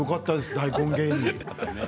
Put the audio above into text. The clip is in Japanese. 大根芸人。